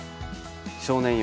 「少年よ